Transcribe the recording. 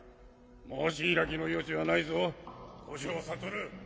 申し開きの余地はないぞ五条悟。